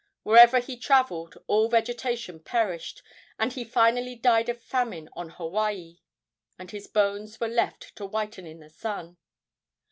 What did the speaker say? Wherever he traveled all vegetation perished, and he finally died of famine on Hawaii, and his bones were left to whiten in the sun.